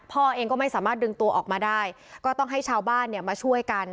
พ่อเองก็ไม่สามารถดึงตัวออกมาได้ก็ต้องให้ชาวบ้านเนี่ยมาช่วยกัน